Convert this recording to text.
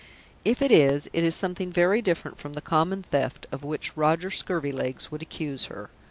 If it is, it is something very different from the common theft of which Roger Scurvilegs would accuse her.